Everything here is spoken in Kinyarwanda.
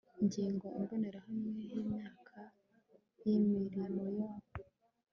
ngingo imbonerahamwe y imyanya y imirimo ya